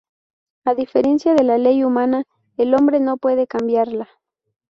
A diferencia de la ley humana, el hombre no puede cambiarla.